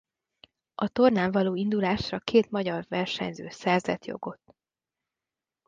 A tornán való indulásra két magyar versenyző szerzett jogot.